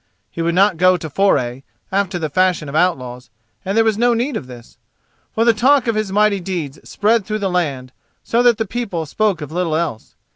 He would not go to foray, after the fashion of outlaws, and there was no need of this. For the talk of his mighty deeds spread through the land, so that the people spoke of little else.